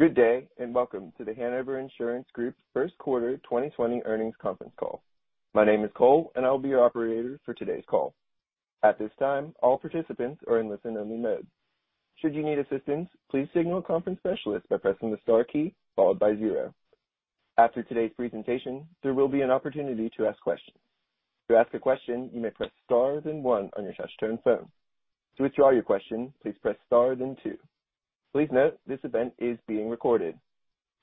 Good day, welcome to The Hanover Insurance Group's first quarter 2020 earnings conference call. My name is Cole, and I'll be your operator for today's call. At this time, all participants are in listen-only mode. Should you need assistance, please signal a conference specialist by pressing the star key followed by zero. After today's presentation, there will be an opportunity to ask questions. To ask a question, you may press star, then one on your touch-tone phone. To withdraw your question, please press star, then two. Please note, this event is being recorded.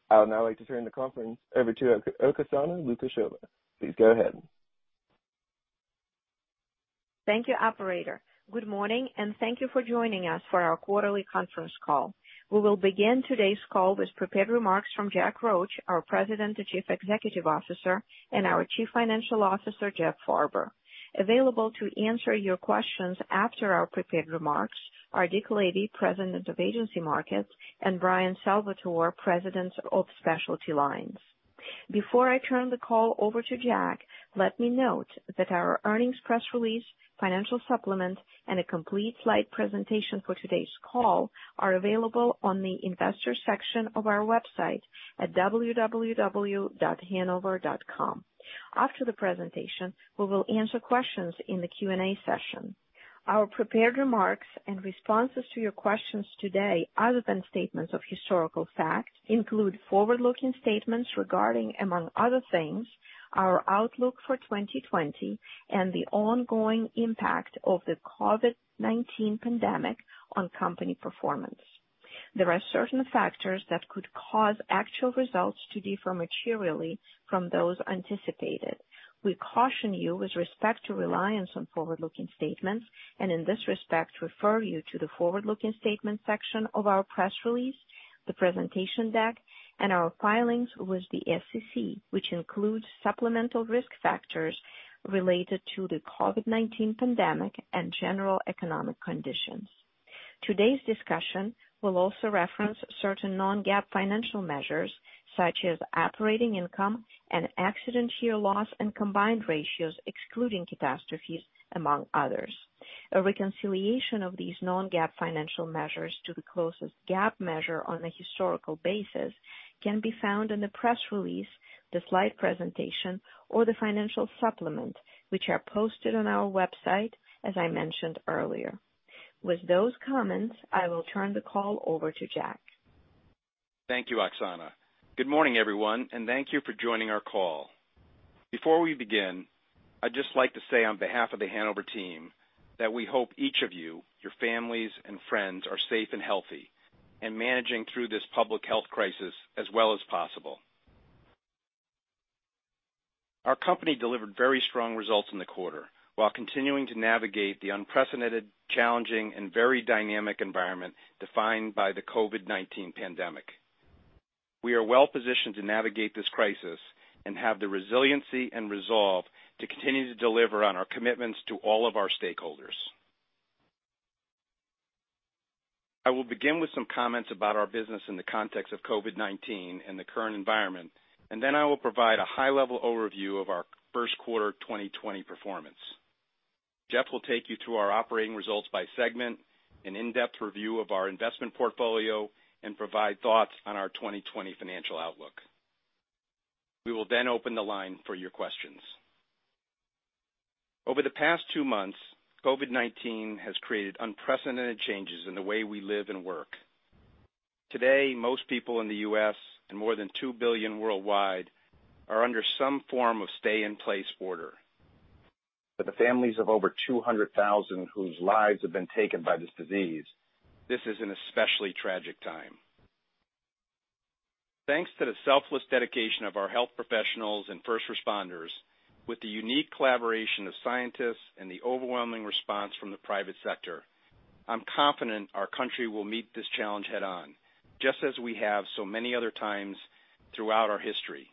I would now like to turn the conference over to Oksana Lukasheva. Please go ahead. Thank you, operator. Good morning, thank you for joining us for our quarterly conference call. We will begin today's call with prepared remarks from Jack Roche, our President and Chief Executive Officer, and our Chief Financial Officer, Jeff Farber. Available to answer your questions after our prepared remarks are Dick Lavey, President of Agency Markets, and Bryan Salvatore, President of Specialty Lines. Before I turn the call over to Jack, let me note that our earnings press release, financial supplement, and a complete slide presentation for today's call are available on the investors section of our website at www.hanover.com. After the presentation, we will answer questions in the Q&A session. Our prepared remarks and responses to your questions today, other than statements of historical fact, include forward-looking statements regarding, among other things, our outlook for 2020 and the ongoing impact of the COVID-19 pandemic on company performance. There are certain factors that could cause actual results to differ materially from those anticipated. We caution you with respect to reliance on forward-looking statements and in this respect refer you to the forward-looking statements section of our press release, the presentation deck, and our filings with the SEC, which includes supplemental risk factors related to the COVID-19 pandemic and general economic conditions. Today's discussion will also reference certain non-GAAP financial measures such as operating income and accident year loss, and combined ratios excluding catastrophes, among others. A reconciliation of these non-GAAP financial measures to the closest GAAP measure on a historical basis can be found in the press release, the slide presentation, or the financial supplement, which are posted on our website, as I mentioned earlier. With those comments, I will turn the call over to Jack. Thank you, Oksana. Good morning, everyone, thank you for joining our call. Before we begin, I'd just like to say on behalf of the Hanover team that we hope each of you, your families, and friends are safe and healthy and managing through this public health crisis as well as possible. Our company delivered very strong results in the quarter while continuing to navigate the unprecedented, challenging, and very dynamic environment defined by the COVID-19 pandemic. We are well-positioned to navigate this crisis and have the resiliency and resolve to continue to deliver on our commitments to all of our stakeholders. I will begin with some comments about our business in the context of COVID-19 and the current environment, then I will provide a high-level overview of our first quarter 2020 performance. Jeff will take you through our operating results by segment, an in-depth review of our investment portfolio, and provide thoughts on our 2020 financial outlook. We will open the line for your questions. Over the past 2 months, COVID-19 has created unprecedented changes in the way we live and work. Today, most people in the U.S. and more than 2 billion worldwide are under some form of stay in place order. For the families of over 200,000 whose lives have been taken by this disease, this is an especially tragic time. Thanks to the selfless dedication of our health professionals and first responders with the unique collaboration of scientists and the overwhelming response from the private sector, I'm confident our country will meet this challenge head-on, just as we have so many other times throughout our history.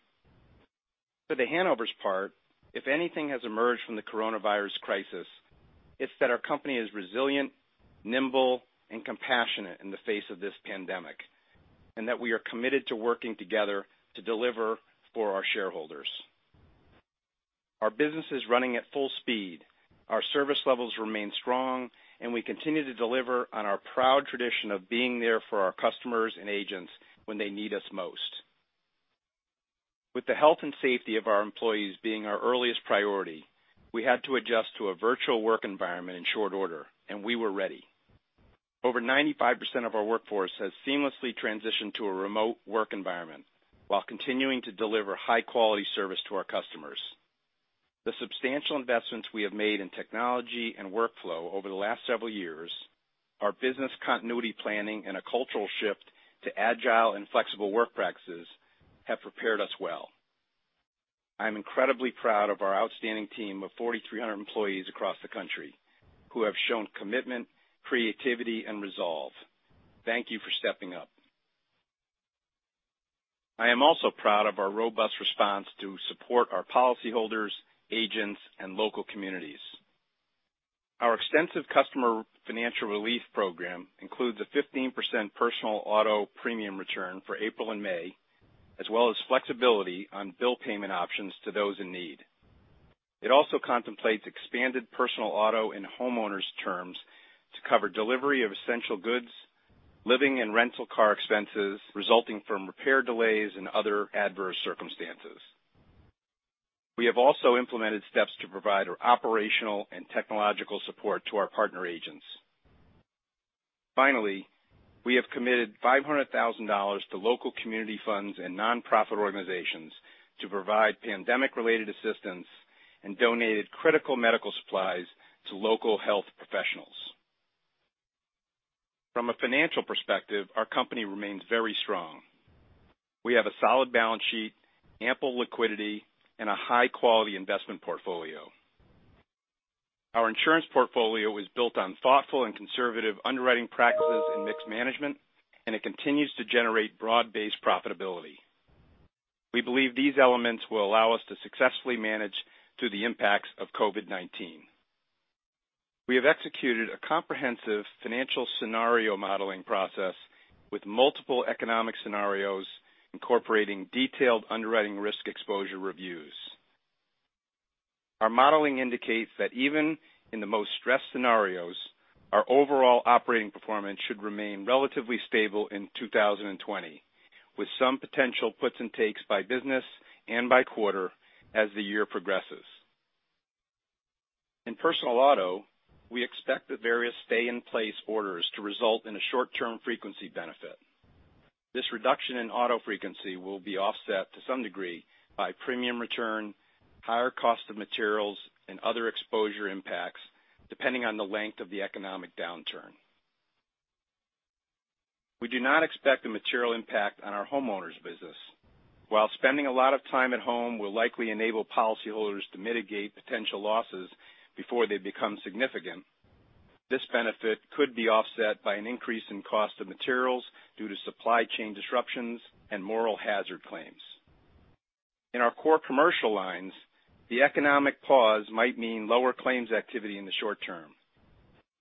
For The Hanover's part, if anything has emerged from the coronavirus crisis, it's that our company is resilient, nimble, and compassionate in the face of this pandemic, and that we are committed to working together to deliver for our shareholders. Our business is running at full speed. Our service levels remain strong, and we continue to deliver on our proud tradition of being there for our customers and agents when they need us most. With the health and safety of our employees being our earliest priority, we had to adjust to a virtual work environment in short order, and we were ready. Over 95% of our workforce has seamlessly transitioned to a remote work environment while continuing to deliver high-quality service to our customers. The substantial investments we have made in technology and workflow over the last several years, our business continuity planning, and a cultural shift to agile and flexible work practices have prepared us well. I'm incredibly proud of our outstanding team of 4,300 employees across the country who have shown commitment, creativity, and resolve. Thank you for stepping up. I am also proud of our robust response to support our policyholders, agents, and local communities. Our extensive customer financial relief program includes a 15% Personal Auto premium return for April and May, as well as flexibility on bill payment options to those in need. It also contemplates expanded Personal Auto and Homeowners terms to cover delivery of essential goods, living and rental car expenses resulting from repair delays and other adverse circumstances. We have also implemented steps to provide operational and technological support to our partner agents. We have committed $500,000 to local community funds and nonprofit organizations to provide pandemic-related assistance and donated critical medical supplies to local health professionals. From a financial perspective, our company remains very strong. We have a solid balance sheet, ample liquidity, and a high-quality investment portfolio. Our insurance portfolio was built on thoughtful and conservative underwriting practices and mixed management, and it continues to generate broad-based profitability. We believe these elements will allow us to successfully manage through the impacts of COVID-19. We have executed a comprehensive financial scenario modeling process with multiple economic scenarios, incorporating detailed underwriting risk exposure reviews. Our modeling indicates that even in the most stressed scenarios, our overall operating performance should remain relatively stable in 2020, with some potential puts and takes by business and by quarter as the year progresses. In Personal Auto, we expect the various stay-in-place orders to result in a short-term frequency benefit. This reduction in auto frequency will be offset to some degree by premium return, higher cost of materials, and other exposure impacts, depending on the length of the economic downturn. We do not expect a material impact on our Homeowners business. While spending a lot of time at home will likely enable policyholders to mitigate potential losses before they become significant, this benefit could be offset by an increase in cost of materials due to supply chain disruptions and moral hazard claims. In our core commercial lines, the economic pause might mean lower claims activity in the short term.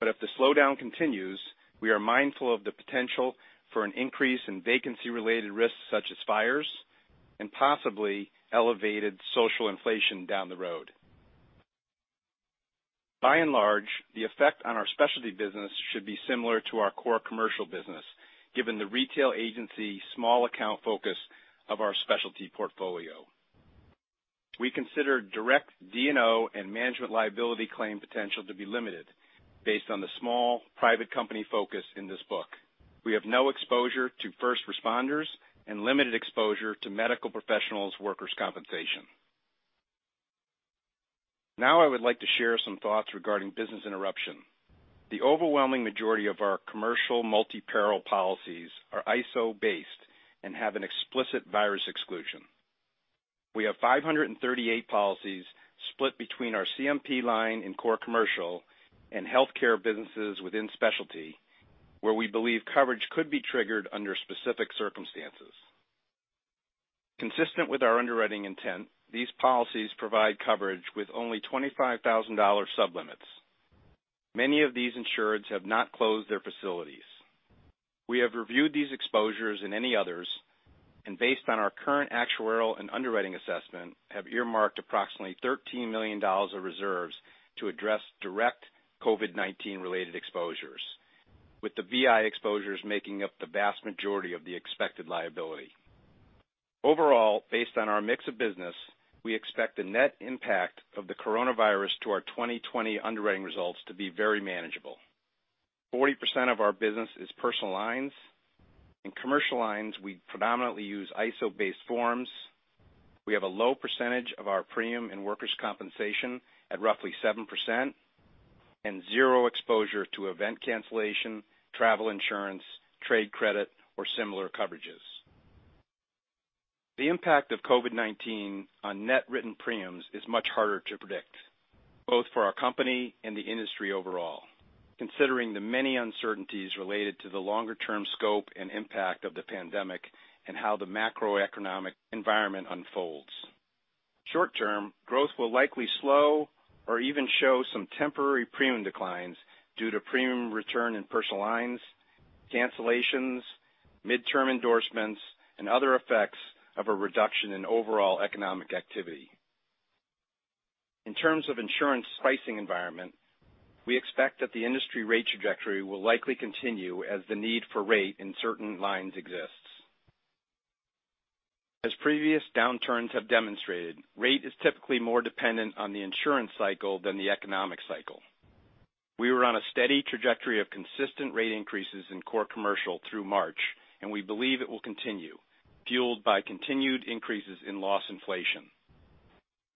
If the slowdown continues, we are mindful of the potential for an increase in vacancy-related risks such as fires and possibly elevated social inflation down the road. By and large, the effect on our Specialty business should be similar to our core commercial business, given the retail agency small account focus of our Specialty portfolio. We consider direct D&O and management liability claim potential to be limited based on the small private company focus in this book. We have no exposure to first responders and limited exposure to medical professionals workers' compensation. Now I would like to share some thoughts regarding business interruption. The overwhelming majority of our commercial multi-peril policies are ISO-based and have an explicit virus exclusion. We have 538 policies split between our CMP line in core commercial and healthcare businesses within Specialty, where we believe coverage could be triggered under specific circumstances. Consistent with our underwriting intent, these policies provide coverage with only $25,000 sublimits. Many of these insureds have not closed their facilities. We have reviewed these exposures and any others, and based on our current actuarial and underwriting assessment, have earmarked approximately $13 million of reserves to address direct COVID-19-related exposures, with the BI exposures making up the vast majority of the expected liability. Overall, based on our mix of business, we expect the net impact of the coronavirus to our 2020 underwriting results to be very manageable. 40% of our business is Personal Lines. In commercial lines, we predominantly use ISO-based forms. We have a low percentage of our premium in workers' compensation at roughly 7% and zero exposure to event cancellation, travel insurance, trade credit, or similar coverages. The impact of COVID-19 on net written premiums is much harder to predict, both for our company and the industry overall, considering the many uncertainties related to the longer-term scope and impact of the pandemic and how the macroeconomic environment unfolds. Short term, growth will likely slow or even show some temporary premium declines due to premium return in Personal Lines, cancellations, midterm endorsements, and other effects of a reduction in overall economic activity. In terms of insurance pricing environment, we expect that the industry rate trajectory will likely continue as the need for rate in certain lines exists. As previous downturns have demonstrated, rate is typically more dependent on the insurance cycle than the economic cycle. We were on a steady trajectory of consistent rate increases in core commercial through March, and we believe it will continue, fueled by continued increases in loss inflation.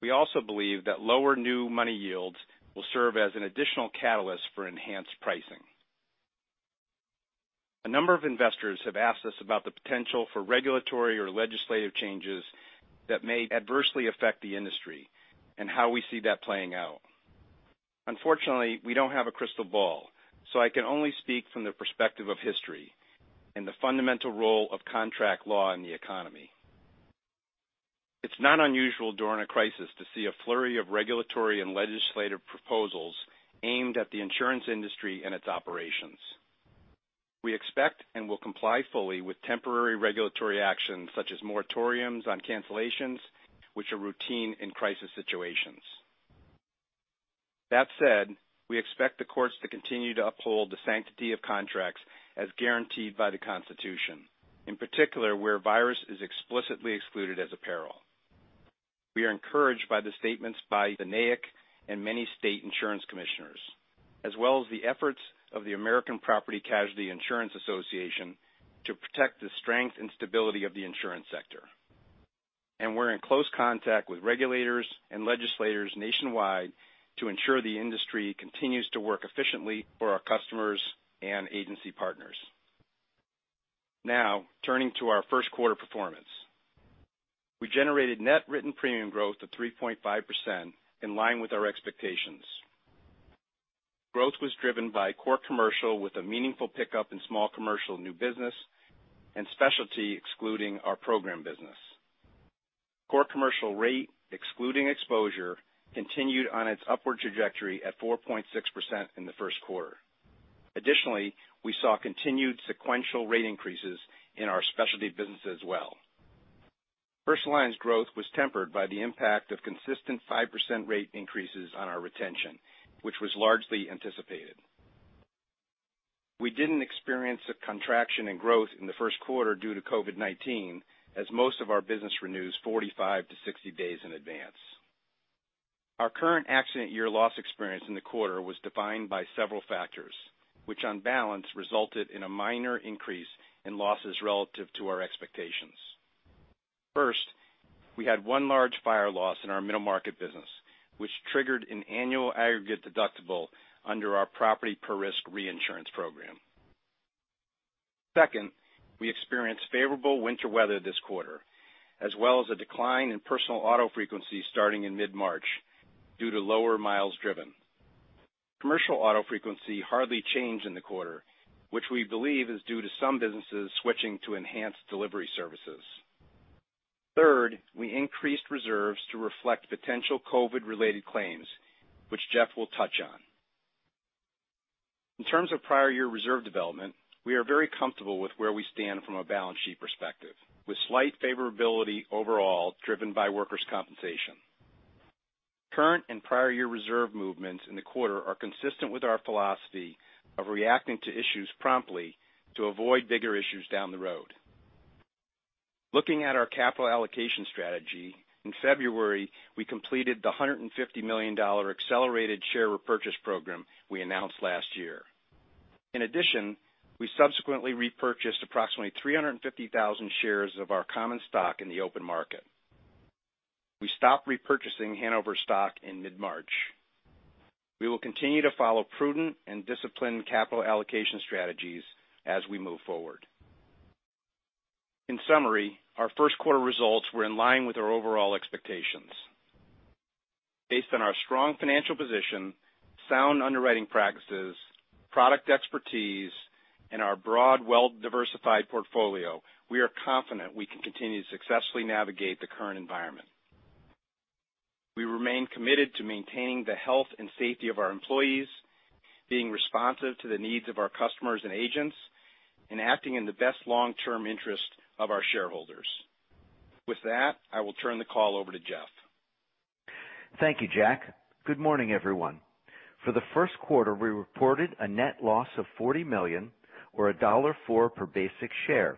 We also believe that lower new money yields will serve as an additional catalyst for enhanced pricing. A number of investors have asked us about the potential for regulatory or legislative changes that may adversely affect the industry and how we see that playing out. Unfortunately, we don't have a crystal ball. I can only speak from the perspective of history and the fundamental role of contract law in the economy. It's not unusual during a crisis to see a flurry of regulatory and legislative proposals aimed at the insurance industry and its operations. We expect and will comply fully with temporary regulatory actions such as moratoriums on cancellations, which are routine in crisis situations. That said, we expect the courts to continue to uphold the sanctity of contracts as guaranteed by the Constitution, in particular, where a virus is explicitly excluded as a peril. We are encouraged by the statements by NAIC and many state insurance commissioners, as well as the efforts of the American Property Casualty Insurance Association to protect the strength and stability of the insurance sector. We're in close contact with regulators and legislators nationwide to ensure the industry continues to work efficiently for our customers and agency partners. Now, turning to our first quarter performance. We generated net written premium growth of 3.5%, in line with our expectations. Growth was driven by core commercial with a meaningful pickup in small commercial new business and Specialty excluding our program business. Core commercial rate, excluding exposure, continued on its upward trajectory at 4.6% in the first quarter. Additionally, we saw continued sequential rate increases in our Specialty business as well. Personal Lines growth was tempered by the impact of consistent 5% rate increases on our retention, which was largely anticipated. We didn't experience a contraction in growth in the first quarter due to COVID-19, as most of our business renews 45 to 60 days in advance. Our current accident year loss experience in the quarter was defined by several factors, which on balance resulted in a minor increase in losses relative to our expectations. First, we had one large fire loss in our middle market business, which triggered an annual aggregate deductible under our property per risk reinsurance program. Second, we experienced favorable winter weather this quarter, as well as a decline in Personal Auto frequency starting in mid-March due to lower miles driven. Commercial Auto frequency hardly changed in the quarter, which we believe is due to some businesses switching to enhanced delivery services. Third, we increased reserves to reflect potential COVID-related claims, which Jeff will touch on. In terms of prior year reserve development, we are very comfortable with where we stand from a balance sheet perspective, with slight favorability overall driven by workers' compensation. Current and prior year reserve movements in the quarter are consistent with our philosophy of reacting to issues promptly to avoid bigger issues down the road. Looking at our capital allocation strategy, in February, we completed the $150 million accelerated share repurchase program we announced last year. In addition, we subsequently repurchased approximately 350,000 shares of our common stock in the open market. We stopped repurchasing Hanover stock in mid-March. We will continue to follow prudent and disciplined capital allocation strategies as we move forward. In summary, our first quarter results were in line with our overall expectations. Based on our strong financial position, sound underwriting practices, product expertise, and our broad, well-diversified portfolio, we are confident we can continue to successfully navigate the current environment. We remain committed to maintaining the health and safety of our employees, being responsive to the needs of our customers and agents, and acting in the best long-term interest of our shareholders. With that, I will turn the call over to Jeff. Thank you, Jack. Good morning, everyone. For the first quarter, we reported a net loss of $40 million or $1.04 per basic share,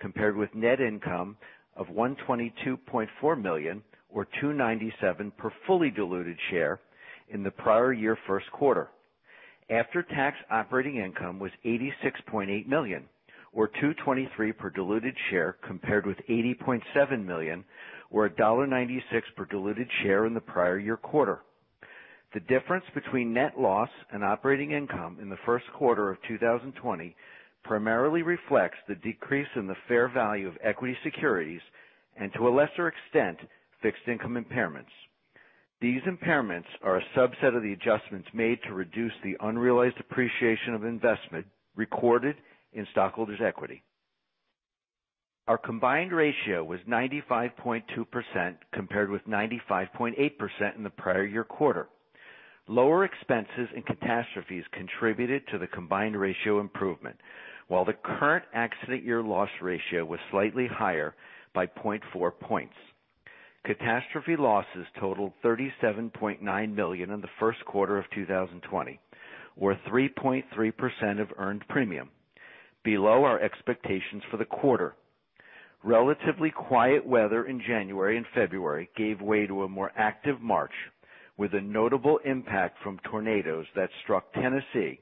compared with net income of $122.4 million or $2.97 per fully diluted share in the prior year first quarter. After-tax operating income was $86.8 million or $2.23 per diluted share, compared with $80.7 million or $1.96 per diluted share in the prior year quarter. The difference between net loss and operating income in the first quarter of 2020 primarily reflects the decrease in the fair value of equity securities and, to a lesser extent, fixed income impairments. These impairments are a subset of the adjustments made to reduce the unrealized appreciation of investment recorded in stockholders' equity. Our combined ratio was 95.2%, compared with 95.8% in the prior year quarter. Lower expenses and catastrophes contributed to the combined ratio improvement, while the current accident year loss ratio was slightly higher by 0.4 points. Catastrophe losses totaled $37.9 million in the first quarter of 2020 or 3.3% of earned premium, below our expectations for the quarter. Relatively quiet weather in January and February gave way to a more active March, with a notable impact from tornadoes that struck Tennessee,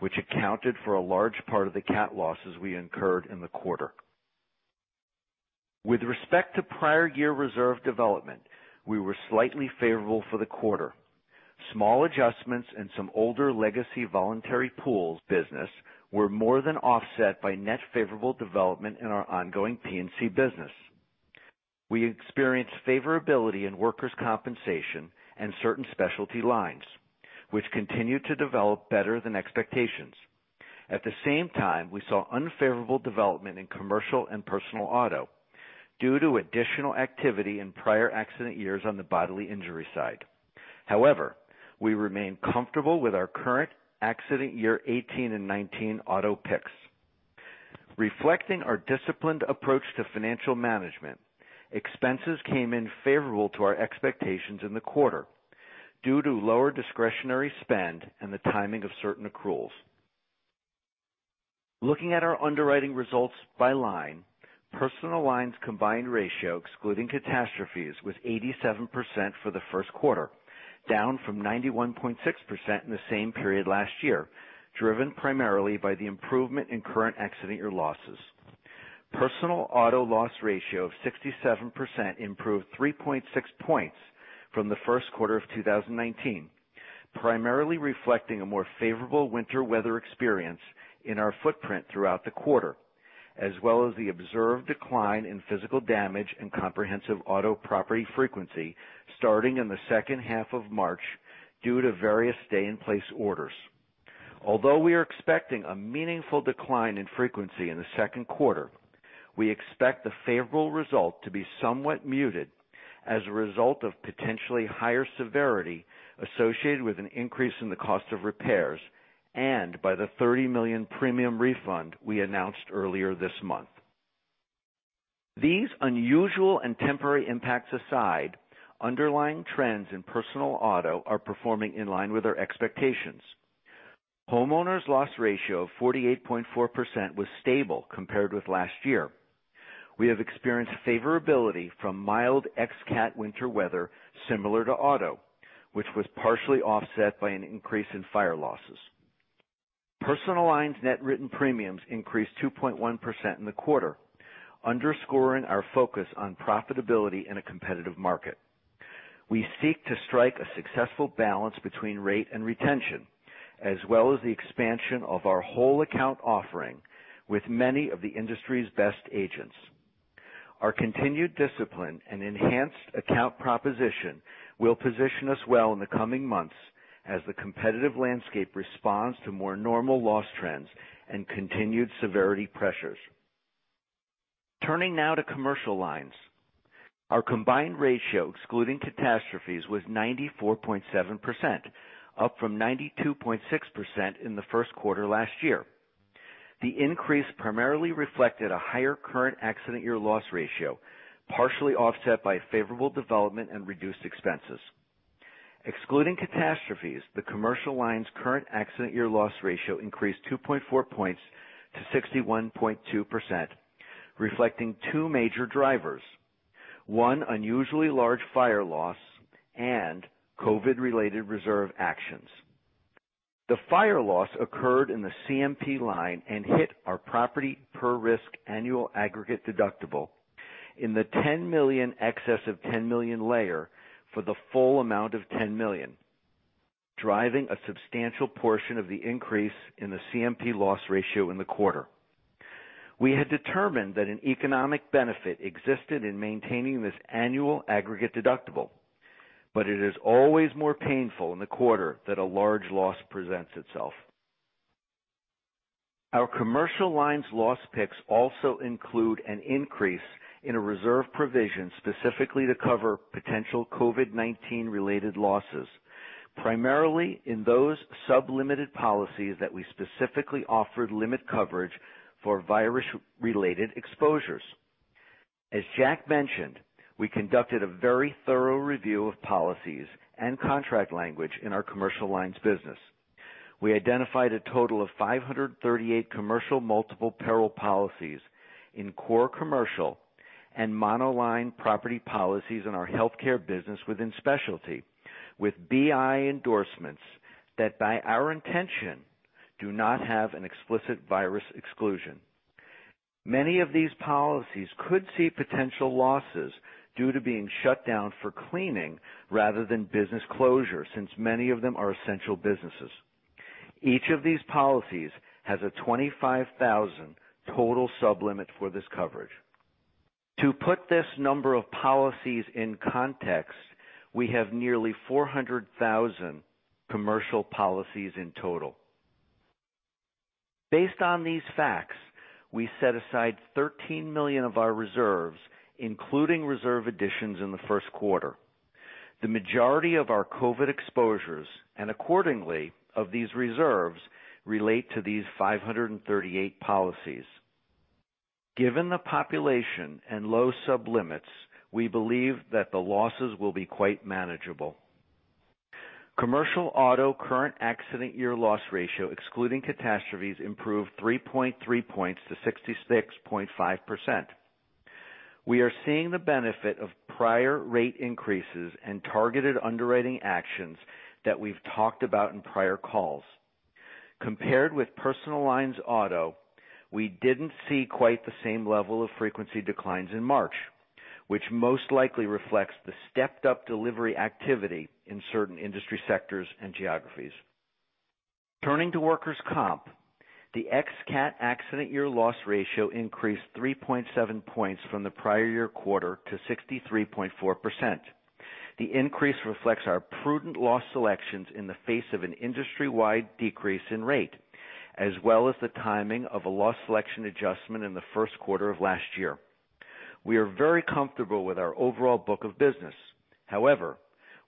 which accounted for a large part of the cat losses we incurred in the quarter. With respect to prior year reserve development, we were slightly favorable for the quarter. Small adjustments in some older legacy voluntary pools business were more than offset by net favorable development in our ongoing P&C business. We experienced favorability in workers' compensation and certain Specialty lines, which continued to develop better than expectations. At the same time, we saw unfavorable development in Commercial Auto and Personal Auto due to additional activity in prior accident years on the bodily injury side. We remain comfortable with our current accident year 2018 and 2019 auto picks. Reflecting our disciplined approach to financial management, expenses came in favorable to our expectations in the quarter due to lower discretionary spend and the timing of certain accruals. Looking at our underwriting results by line, Personal Lines combined ratio, excluding catastrophes, was 87% for the first quarter, down from 91.6% in the same period last year, driven primarily by the improvement in current accident year losses. Personal Auto loss ratio of 67% improved 3.6 points from the first quarter of 2019, primarily reflecting a more favorable winter weather experience in our footprint throughout the quarter, as well as the observed decline in physical damage and comprehensive auto property frequency starting in the second half of March due to various stay in place orders. Although we are expecting a meaningful decline in frequency in the second quarter, we expect the favorable result to be somewhat muted as a result of potentially higher severity associated with an increase in the cost of repairs and by the $30 million premium refund we announced earlier this month. These unusual and temporary impacts aside, underlying trends in Personal Auto are performing in line with our expectations. Homeowners loss ratio of 48.4% was stable compared with last year. We have experienced favorability from mild ex-cat winter weather similar to Auto, which was partially offset by an increase in fire losses. Personal Lines net written premiums increased 2.1% in the quarter, underscoring our focus on profitability in a competitive market. We seek to strike a successful balance between rate and retention, as well as the expansion of our whole account offering with many of the industry's best agents. Our continued discipline and enhanced account proposition will position us well in the coming months as the competitive landscape responds to more normal loss trends and continued severity pressures. Turning now to Commercial Lines. Our combined ratio, excluding catastrophes, was 94.7%, up from 92.6% in the first quarter last year. The increase primarily reflected a higher current accident year loss ratio, partially offset by favorable development and reduced expenses. Excluding catastrophes, the Commercial Lines current accident year loss ratio increased 2.4 points to 61.2%, reflecting two major drivers. One unusually large fire loss and COVID-related reserve actions. The fire loss occurred in the CMP line and hit our property per risk annual aggregate deductible in the $10 million excess of $10 million layer for the full amount of $10 million, driving a substantial portion of the increase in the CMP loss ratio in the quarter. We had determined that an economic benefit existed in maintaining this annual aggregate deductible, but it is always more painful in the quarter that a large loss presents itself. Our Commercial Lines loss picks also include an increase in a reserve provision specifically to cover potential COVID-19 related losses, primarily in those sub-limited policies that we specifically offered limit coverage for virus-related exposures. As Jack mentioned, we conducted a very thorough review of policies and contract language in our Commercial Lines business. We identified a total of 538 commercial multiple peril policies in core commercial and monoline property policies in our Hanover Healthcare business within Specialty with BI endorsements that, by our intention, do not have an explicit virus exclusion. Many of these policies could see potential losses due to being shut down for cleaning rather than business closure, since many of them are essential businesses. Each of these policies has a $25,000 total sub-limit for this coverage. To put this number of policies in context, we have nearly 400,000 commercial policies in total. Based on these facts, we set aside $13 million of our reserves, including reserve additions in the first quarter. The majority of our COVID exposures, and accordingly of these reserves, relate to these 538 policies. Given the population and low sub-limits, we believe that the losses will be quite manageable. Commercial Auto current accident year loss ratio excluding catastrophes improved 3.3 points to 66.5%. We are seeing the benefit of prior rate increases and targeted underwriting actions that we've talked about in prior calls. Compared with Personal Lines Auto, we didn't see quite the same level of frequency declines in March, which most likely reflects the stepped-up delivery activity in certain industry sectors and geographies. Turning to workers' comp, the ex-cat accident year loss ratio increased 3.7 points from the prior year quarter to 63.4%. The increase reflects our prudent loss selections in the face of an industry-wide decrease in rate, as well as the timing of a loss selection adjustment in the first quarter of last year. We are very comfortable with our overall book of business.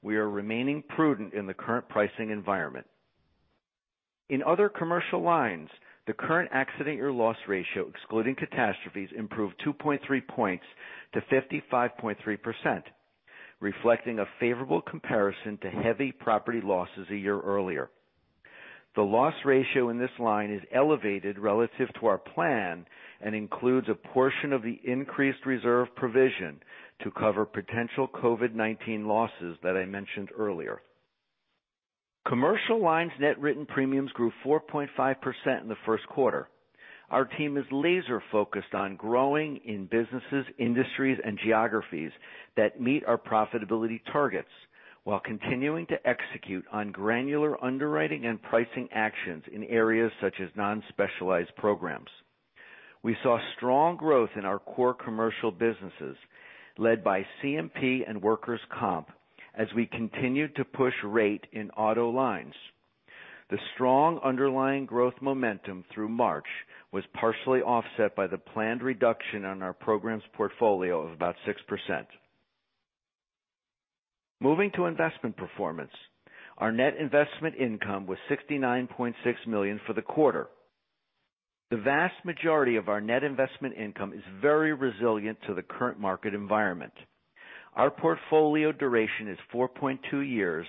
We are remaining prudent in the current pricing environment. In other commercial lines, the current accident year loss ratio, excluding catastrophes, improved 2.3 points to 55.3%, reflecting a favorable comparison to heavy property losses a year earlier. The loss ratio in this line is elevated relative to our plan and includes a portion of the increased reserve provision to cover potential COVID-19 losses that I mentioned earlier. Commercial lines net written premiums grew 4.5% in the first quarter. Our team is laser-focused on growing in businesses, industries, and geographies that meet our profitability targets while continuing to execute on granular underwriting and pricing actions in areas such as non-specialized programs. We saw strong growth in our core commercial businesses, led by CMP and workers' comp, as we continued to push rate in auto lines. The strong underlying growth momentum through March was partially offset by the planned reduction on our programs portfolio of about 6%. Moving to investment performance, our net investment income was $69.6 million for the quarter. The vast majority of our net investment income is very resilient to the current market environment. Our portfolio duration is 4.2 years,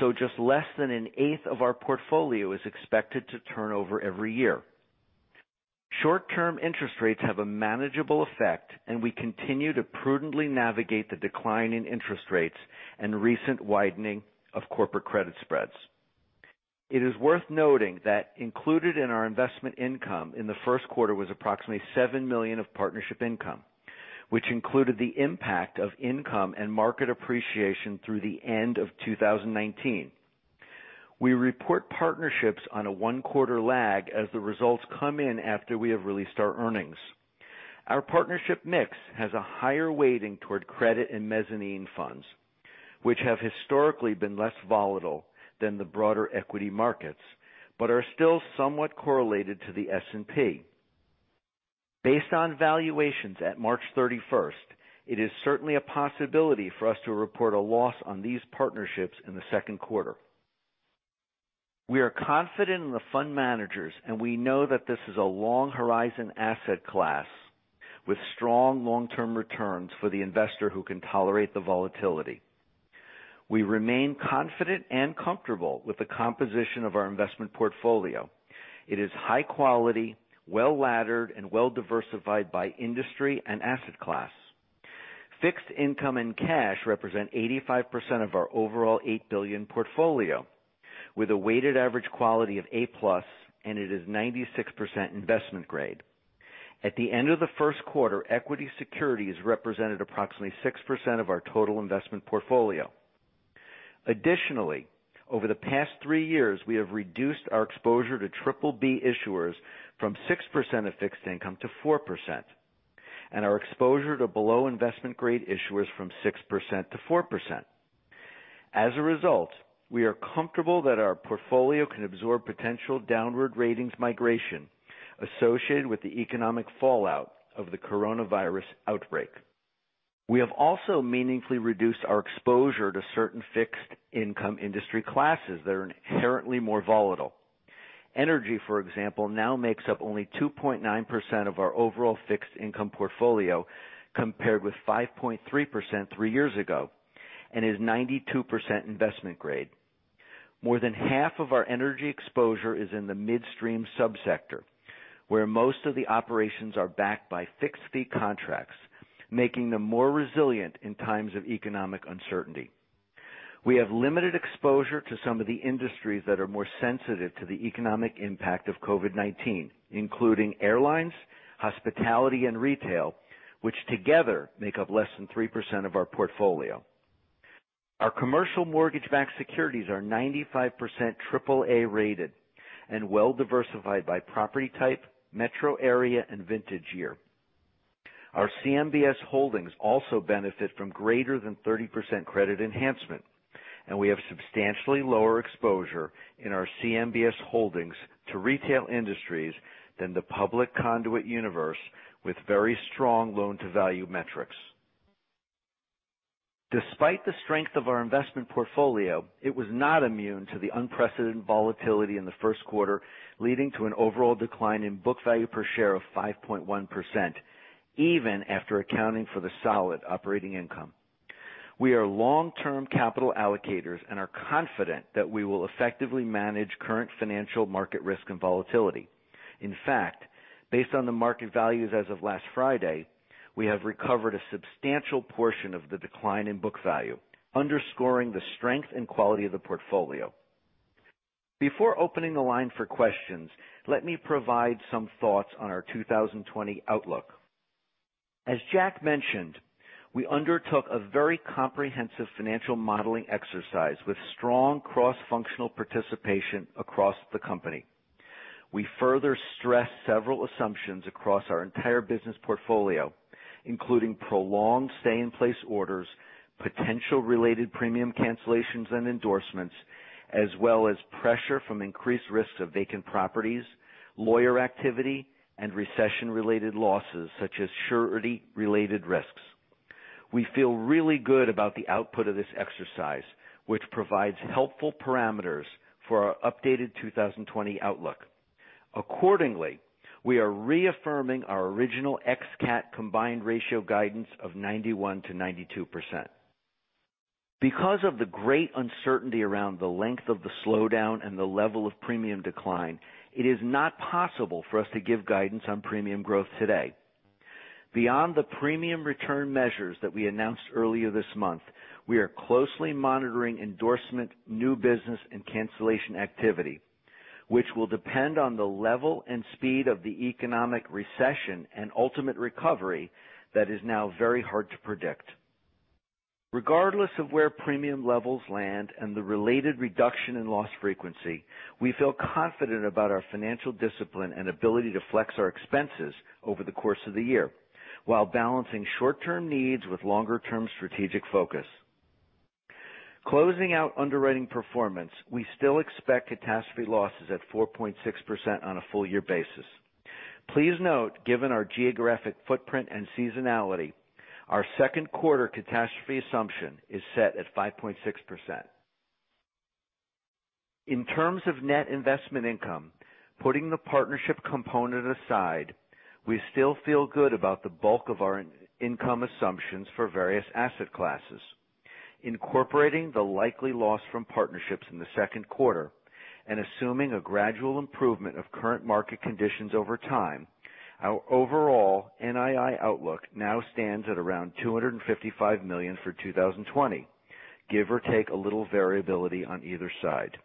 so just less than an eighth of our portfolio is expected to turn over every year. Short-term interest rates have a manageable effect. We continue to prudently navigate the decline in interest rates and recent widening of corporate credit spreads. It is worth noting that included in our investment income in the first quarter was approximately $7 million of partnership income, which included the impact of income and market appreciation through the end of 2019. We report partnerships on a one-quarter lag as the results come in after we have released our earnings. Our partnership mix has a higher weighting toward credit and mezzanine funds, which have historically been less volatile than the broader equity markets, but are still somewhat correlated to the S&P. Based on valuations at March 31st, it is certainly a possibility for us to report a loss on these partnerships in the second quarter. We are confident in the fund managers. We know that this is a long-horizon asset class with strong long-term returns for the investor who can tolerate the volatility. We remain confident and comfortable with the composition of our investment portfolio. It is high quality, well-laddered, and well-diversified by industry and asset class. Fixed income and cash represent 85% of our overall $8 billion portfolio, with a weighted average quality of A+, and it is 96% investment grade. At the end of the first quarter, equity securities represented approximately 6% of our total investment portfolio. Additionally, over the past three years, we have reduced our exposure to BBB issuers from 6% of fixed income to 4%, and our exposure to below investment-grade issuers from 6% to 4%. As a result, we are comfortable that our portfolio can absorb potential downward ratings migration associated with the economic fallout of the coronavirus outbreak. We have also meaningfully reduced our exposure to certain fixed income industry classes that are inherently more volatile. Energy, for example, now makes up only 2.9% of our overall fixed income portfolio, compared with 5.3% three years ago, and is 92% investment grade. More than half of our energy exposure is in the midstream sub-sector, where most of the operations are backed by fixed fee contracts, making them more resilient in times of economic uncertainty. We have limited exposure to some of the industries that are more sensitive to the economic impact of COVID-19, including airlines, hospitality, and retail, which together make up less than 3% of our portfolio. Our commercial mortgage-backed securities are 95% AAA-rated and well-diversified by property type, metro area, and vintage year. Our CMBS holdings also benefit from greater than 30% credit enhancement, and we have substantially lower exposure in our CMBS holdings to retail industries than the public conduit universe, with very strong loan-to-value metrics. Despite the strength of our investment portfolio, it was not immune to the unprecedented volatility in the first quarter, leading to an overall decline in book value per share of 5.1%, even after accounting for the solid operating income. We are long-term capital allocators and are confident that we will effectively manage current financial market risk and volatility. In fact, based on the market values as of last Friday, we have recovered a substantial portion of the decline in book value, underscoring the strength and quality of the portfolio. Before opening the line for questions, let me provide some thoughts on our 2020 outlook. As Jack mentioned, we undertook a very comprehensive financial modeling exercise with strong cross-functional participation across the company. We further stress several assumptions across our entire business portfolio, including prolonged stay-in-place orders, potential related premium cancellations and endorsements, as well as pressure from increased risks of vacant properties, lawyer activity, and recession-related losses, such as Surety-related risks. We feel really good about the output of this exercise, which provides helpful parameters for our updated 2020 outlook. Accordingly, we are reaffirming our original ex-cat combined ratio guidance of 91%-92%. Because of the great uncertainty around the length of the slowdown and the level of premium decline, it is not possible for us to give guidance on premium growth today. Beyond the premium return measures that we announced earlier this month, we are closely monitoring endorsement, new business, and cancellation activity, which will depend on the level and speed of the economic recession and ultimate recovery that is now very hard to predict. Regardless of where premium levels land and the related reduction in loss frequency, we feel confident about our financial discipline and ability to flex our expenses over the course of the year, while balancing short-term needs with longer-term strategic focus. Closing out underwriting performance, we still expect catastrophe losses at 4.6% on a full year basis. Please note, given our geographic footprint and seasonality, our second quarter catastrophe assumption is set at 5.6%. In terms of net investment income, putting the partnership component aside, we still feel good about the bulk of our income assumptions for various asset classes. Incorporating the likely loss from partnerships in the second quarter and assuming a gradual improvement of current market conditions over time, our overall NII outlook now stands at around $255 million for 2020, give or take a little variability on either side.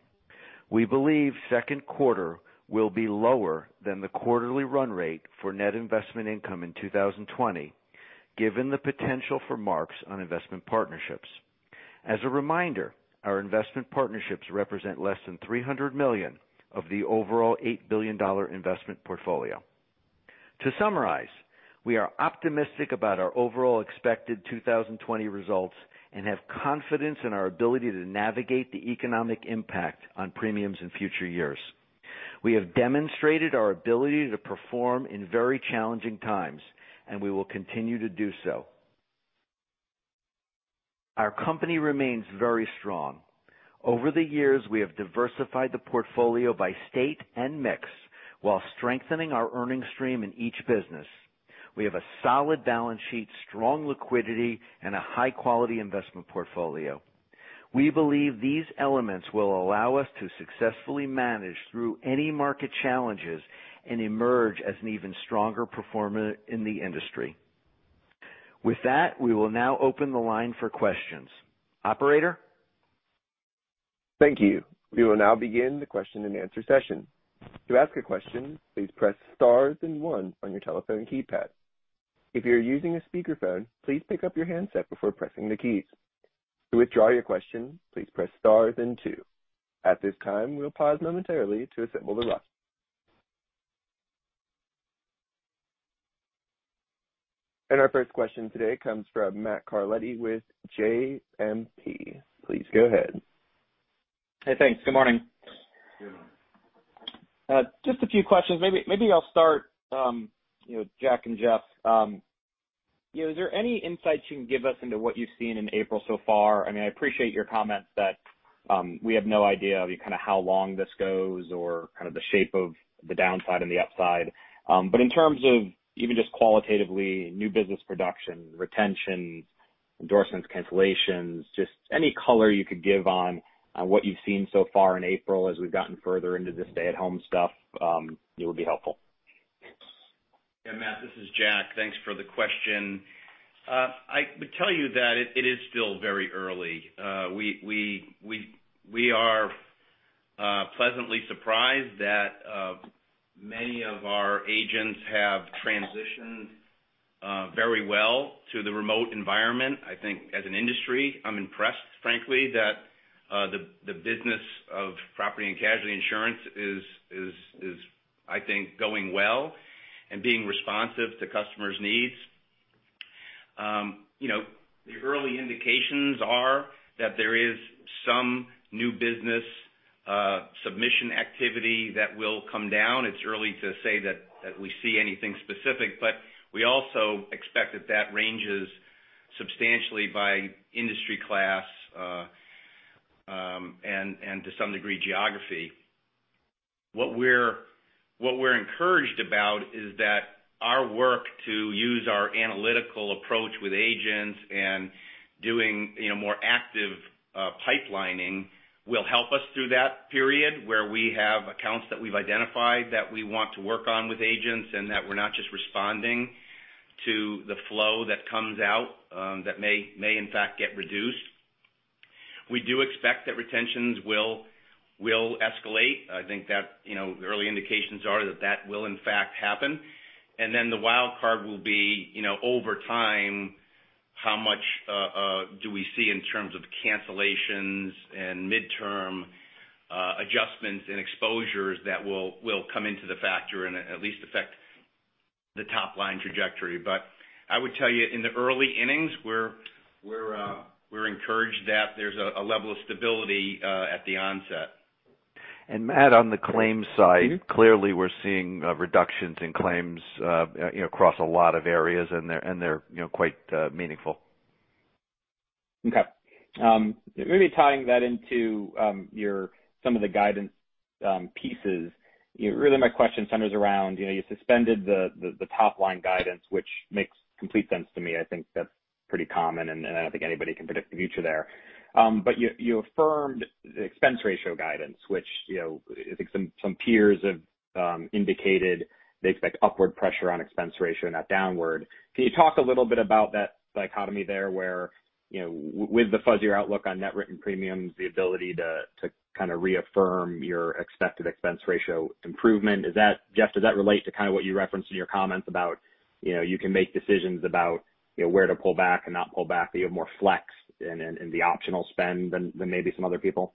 We believe second quarter will be lower than the quarterly run rate for net investment income in 2020, given the potential for marks on investment partnerships. As a reminder, our investment partnerships represent less than $300 million of the overall $8 billion investment portfolio. To summarize, we are optimistic about our overall expected 2020 results and have confidence in our ability to navigate the economic impact on premiums in future years. We have demonstrated our ability to perform in very challenging times, and we will continue to do so. Our company remains very strong. Over the years, we have diversified the portfolio by state and mix while strengthening our earning stream in each business. We have a solid balance sheet, strong liquidity, and a high-quality investment portfolio. We believe these elements will allow us to successfully manage through any market challenges and emerge as an even stronger performer in the industry. With that, we will now open the line for questions. Operator? Thank you. We will now begin the question-and-answer session. To ask a question, please press stars and one on your telephone keypad. If you're using a speakerphone, please pick up your handset before pressing the keys. To withdraw your question, please press stars and two. At this time, we'll pause momentarily to assemble the line. Our first question today comes from Matt Carletti with JMP. Please go ahead. Hey, thanks. Good morning. Good morning. Just a few questions. Maybe I'll start with Jack and Jeff. Is there any insights you can give us into what you've seen in April so far? I appreciate your comments that we have no idea how long this goes or the shape of the downside and the upside. In terms of even just qualitatively, new business production, retention, endorsements, cancellations, just any color you could give on what you've seen so far in April as we've gotten further into this stay-at-home stuff, it would be helpful. Yeah, Matt, this is Jack. Thanks for the question. I would tell you that it is still very early. We are pleasantly surprised that many of our agents have transitioned very well to the remote environment. I think as an industry, I'm impressed, frankly, that the business of property and casualty insurance is, I think, going well and being responsive to customers' needs. The early indications are that there is some new business submission activity that will come down. It's early to say that we see anything specific, we also expect that that ranges substantially by industry class, and to some degree, geography. What we're encouraged about is that our work to use our analytical approach with agents and doing more active pipelining will help us through that period where we have accounts that we've identified that we want to work on with agents and that we're not just responding to the flow that comes out that may in fact get reduced. We do expect that retentions will escalate. I think that the early indications are that that will in fact happen. How much do we see in terms of cancellations and midterm adjustments and exposures that will come into the factor and at least affect the top-line trajectory? I would tell you in the early innings, we're encouraged that there's a level of stability at the onset. Matt, on the claims side. Clearly, we're seeing reductions in claims across a lot of areas, and they're quite meaningful. Okay. Maybe tying that into some of the guidance pieces, really my question centers around, you suspended the top-line guidance, which makes complete sense to me. I think that's pretty common, and I don't think anybody can predict the future there. You affirmed the expense ratio guidance, which I think some peers have indicated they expect upward pressure on expense ratio, not downward. Can you talk a little bit about that dichotomy there, where with the fuzzier outlook on net written premiums, the ability to kind of reaffirm your expected expense ratio improvement. Jeff, does that relate to kind of what you referenced in your comments about you can make decisions about where to pull back and not pull back, that you have more flex in the optional spend than maybe some other people?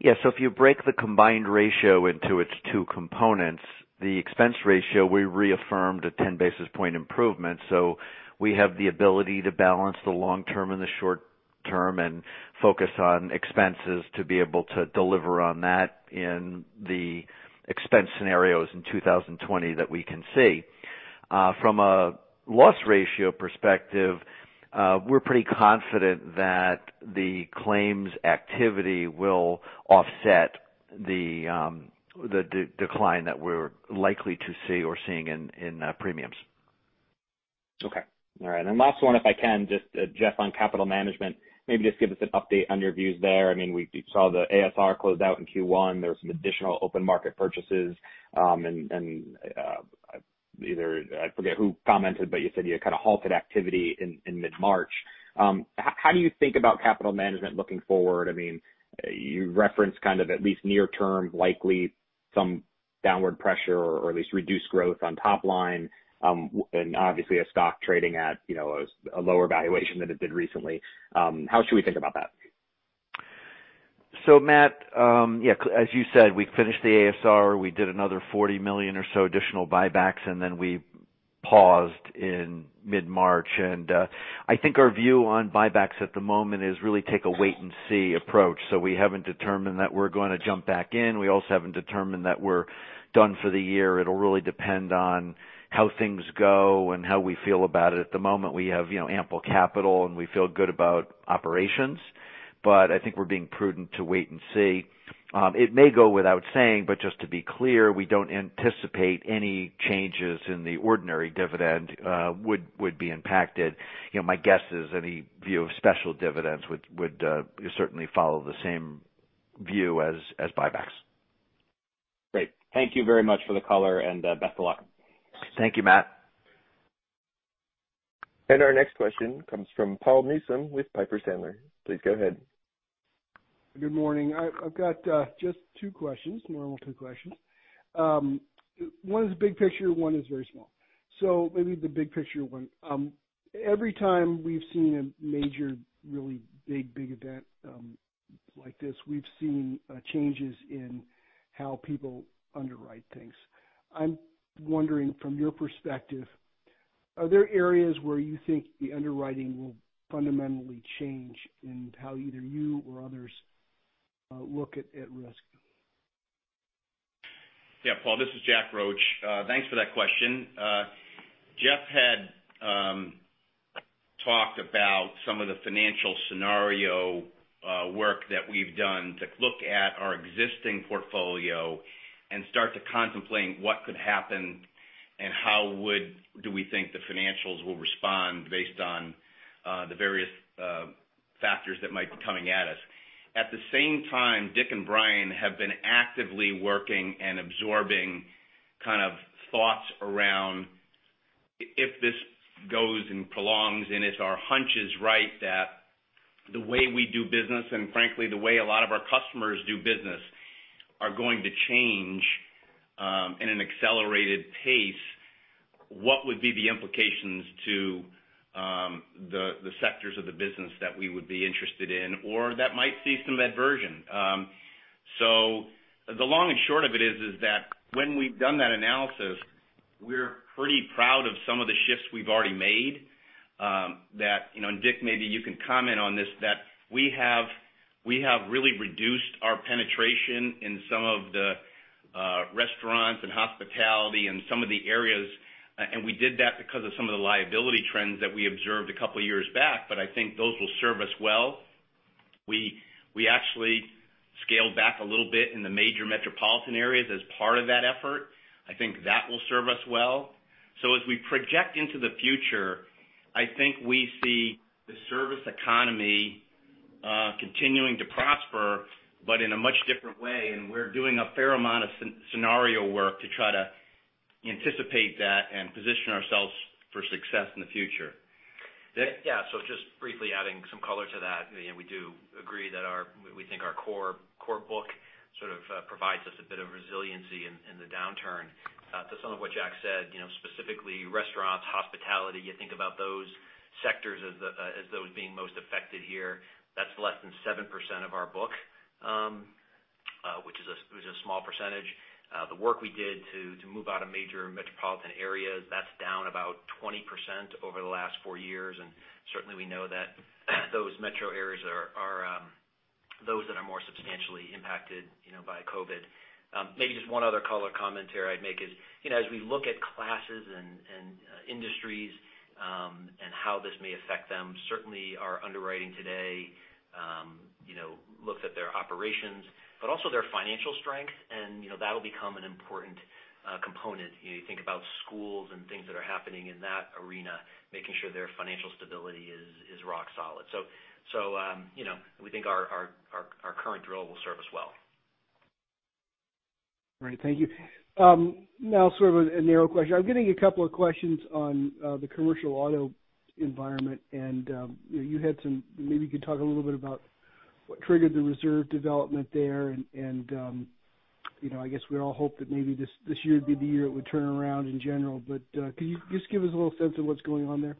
If you break the combined ratio into its two components, the expense ratio, we reaffirmed a 10-basis-point improvement. We have the ability to balance the long term and the short term and focus on expenses to be able to deliver on that in the expense scenarios in 2020 that we can see. From a loss ratio perspective, we're pretty confident that the claims activity will offset the decline that we're likely to see or seeing in premiums. Okay. All right. Last one, if I can, just Jeff, on capital management, maybe just give us an update on your views there. We saw the ASR closed out in Q1. There were some additional open market purchases. I forget who commented, but you said you kind of halted activity in mid-March. How do you think about capital management looking forward? You referenced kind of at least near term, likely some downward pressure or at least reduced growth on top line, and obviously a stock trading at a lower valuation than it did recently. How should we think about that? Matt, as you said, we finished the ASR, we did another $40 million or so additional buybacks. Then we paused in mid-March. I think our view on buybacks at the moment is really take a wait-and-see approach. We haven't determined that we're going to jump back in. We also haven't determined that we're done for the year. It'll really depend on how things go and how we feel about it. At the moment, we have ample capital, and we feel good about operations. I think we're being prudent to wait and see. It may go without saying, but just to be clear, we don't anticipate any changes in the ordinary dividend would be impacted. My guess is any view of special dividends would certainly follow the same view as buybacks. Great. Thank you very much for the color and best of luck. Thank you, Matt. Our next question comes from Paul Newsome with Piper Sandler. Please go ahead. Good morning. I've got just two questions, normal two questions. One is big picture, one is very small. Maybe the big picture one. Every time we've seen a major, really big event like this, we've seen changes in how people underwrite things. I'm wondering from your perspective, are there areas where you think the underwriting will fundamentally change in how either you or others look at risk? Yeah, Paul, this is Jack Roche. Thanks for that question. Jeff had talked about some of the financial scenario work that we've done to look at our existing portfolio and start to contemplate what could happen and how do we think the financials will respond based on the various factors that might be coming at us. At the same time, Dick and Bryan have been actively working and absorbing kind of thoughts around if this goes and prolongs, if our hunch is right that the way we do business, and frankly, the way a lot of our customers do business, are going to change in an accelerated pace, what would be the implications to the sectors of the business that we would be interested in or that might see some aversion? The long and short of it is that when we've done that analysis, we're pretty proud of some of the shifts we've already made that, and Dick, maybe you can comment on this, that we have really reduced our penetration in some of the restaurants and hospitality and some of the areas, and we did that because of some of the liability trends that we observed a couple of years back. I think those will serve us well. We actually scaled back a little bit in the major metropolitan areas as part of that effort. I think that will serve us well. As we project into the future, I think we see the service economy continuing to prosper but in a much different way, and we're doing a fair amount of scenario work to try to anticipate that and position ourselves for success in the future. Dick? Adding some color to that, we do agree that we think our core book sort of provides us a bit of resiliency in the downturn. To some of what Jack said, specifically restaurants, hospitality, you think about those sectors as those being most affected here. That's less than 7% of our book, which is a small percentage. The work we did to move out of major metropolitan areas, that's down about 20% over the last four years, and certainly we know that those metro areas are those that are more substantially impacted by COVID. Maybe just one other color commentary I'd make is, as we look at classes and industries, and how this may affect them, certainly our underwriting today looks at their operations, but also their financial strength, and that'll become an important component. You think about schools and things that are happening in that arena, making sure their financial stability is rock solid. We think our current drill will serve us well. All right. Thank you. Now sort of a narrow question. I'm getting a couple of questions on the Commercial Auto environment, and maybe you could talk a little bit about what triggered the reserve development there and, I guess we all hope that maybe this year would be the year it would turn around in general, but could you just give us a little sense of what's going on there?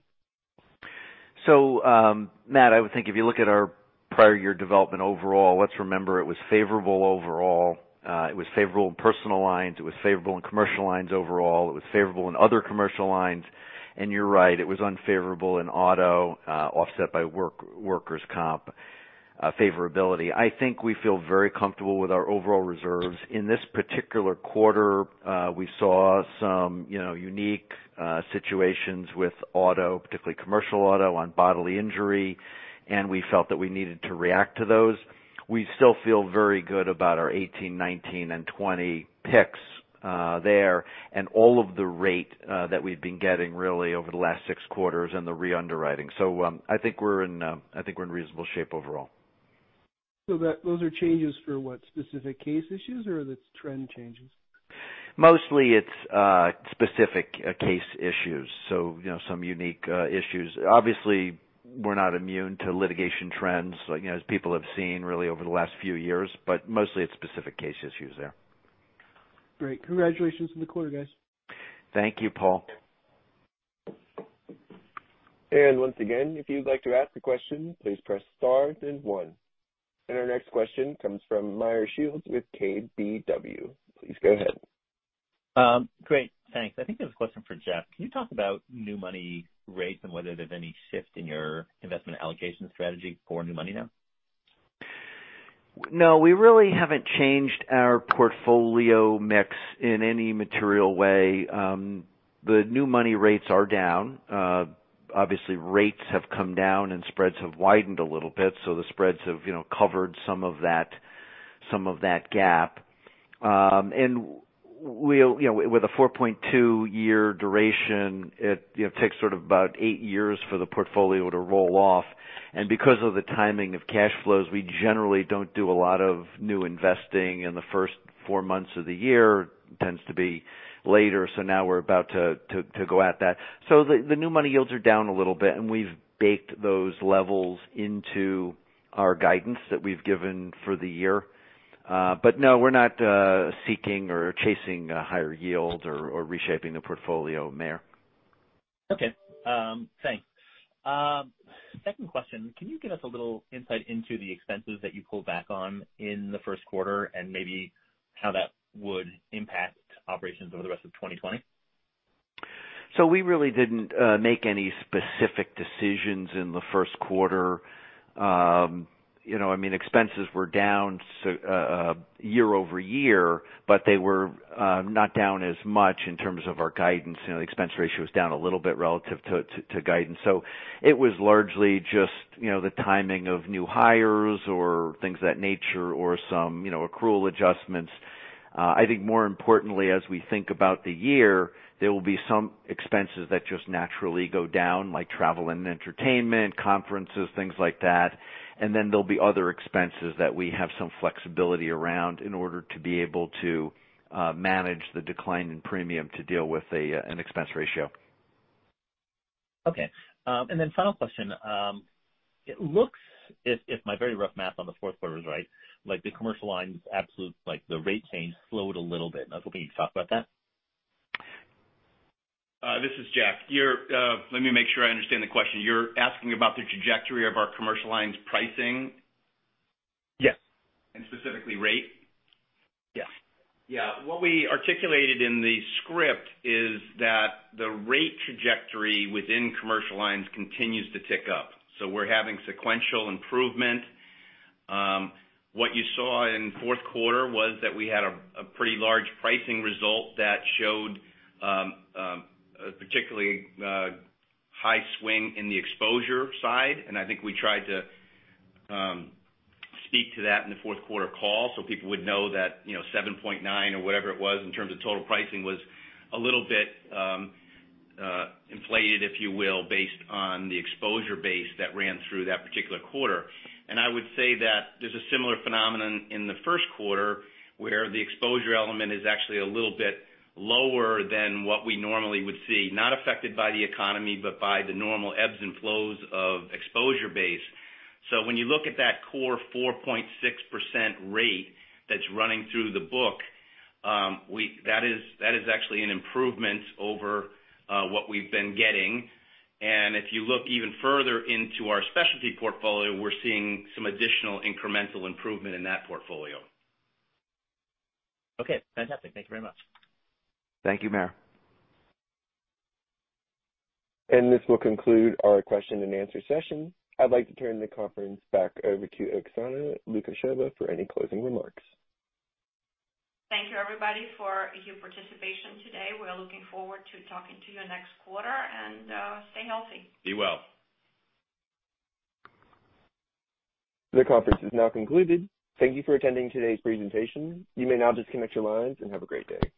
Matt, I would think if you look at our prior year development overall, let's remember it was favorable overall. It was favorable in Personal Lines. It was favorable in Commercial Lines overall. It was favorable in other Commercial Lines. You're right, it was unfavorable in auto, offset by workers' comp favorability. I think we feel very comfortable with our overall reserves. In this particular quarter, we saw some unique situations with auto, particularly Commercial Auto on Bodily Injury, and we felt that we needed to react to those. We still feel very good about our 2018, 2019, and 2020 picks there and all of the rate that we've been getting really over the last six quarters and the re-underwriting. I think we're in reasonable shape overall. Those are changes for what? Specific case issues or are the trend changes? Mostly it's specific case issues. Some unique issues. Obviously, we're not immune to litigation trends, as people have seen really over the last few years, mostly it's specific case issues there. Great. Congratulations on the quarter, guys. Thank you, Paul. Once again, if you'd like to ask a question, please press star then 1. Our next question comes from Meyer Shields with KBW. Please go ahead. Great. Thanks. I think I have a question for Jeff. Can you talk about new money rates and whether there's any shift in your investment allocation strategy for new money now? No, we really haven't changed our portfolio mix in any material way. The new money rates are down. Obviously, rates have come down, and spreads have widened a little bit, so the spreads have covered some of that gap. With a 4.2-year duration, it takes sort of about eight years for the portfolio to roll off. Because of the timing of cash flows, we generally don't do a lot of new investing in the first four months of the year. It tends to be later. Now we're about to go at that. The new money yields are down a little bit, and we've baked those levels into our guidance that we've given for the year. No, we're not seeking or chasing higher yields or reshaping the portfolio, Meyer. Okay. Thanks. Second question. Can you give us a little insight into the expenses that you pulled back on in the first quarter and maybe how that would impact operations over the rest of 2020? We really didn't make any specific decisions in the first quarter. Expenses were down year-over-year, but they were not down as much in terms of our guidance. The expense ratio was down a little bit relative to guidance. It was largely just the timing of new hires or things of that nature or some accrual adjustments. I think more importantly, as we think about the year, there will be some expenses that just naturally go down, like travel and entertainment, conferences, things like that. There'll be other expenses that we have some flexibility around in order to be able to manage the decline in premium to deal with an expense ratio. Okay. Final question. It looks as if my very rough math on the fourth quarter is right, like the commercial lines absolute rate change slowed a little bit, and I was hoping you'd talk about that. This is Jeff. Let me make sure I understand the question. You're asking about the trajectory of our commercial lines pricing? Yes. Specifically rate? Yes. Yeah. What we articulated in the script is that the rate trajectory within commercial lines continues to tick up. We're having sequential improvement. What you saw in fourth quarter was that we had a pretty large pricing result that showed a particularly high swing in the exposure side, and I think we tried to speak to that in the fourth quarter call so people would know that 7.9 or whatever it was in terms of total pricing was a little bit inflated, if you will, based on the exposure base that ran through that particular quarter. I would say that there's a similar phenomenon in the first quarter, where the exposure element is actually a little bit lower than what we normally would see, not affected by the economy, but by the normal ebbs and flows of exposure base. When you look at that core 4.6% rate that's running through the book, that is actually an improvement over what we've been getting. If you look even further into our Specialty portfolio, we're seeing some additional incremental improvement in that portfolio. Okay, fantastic. Thank you very much. Thank you, Meyer. This will conclude our question and answer session. I'd like to turn the conference back over to Oksana Lukasheva for any closing remarks. Thank you everybody for your participation today. We're looking forward to talking to you next quarter, and stay healthy. Be well. The conference is now concluded. Thank you for attending today's presentation. You may now disconnect your lines and have a great day.